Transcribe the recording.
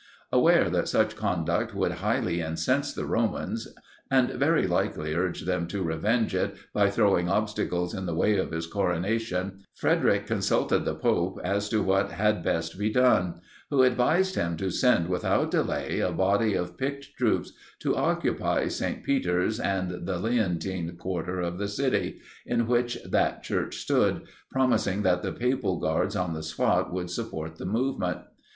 Aware that such conduct would highly incense the Romans, and very likely urge them to revenge it by throwing obstacles in the way of his coronation, Frederic consulted the pope as to what had best be done; who advised him to send without delay a body of picked troops to occupy St. Peter's, and the Leontine quarter of the city, in which that church stood, promising that the papal guards on the spot should support the movement.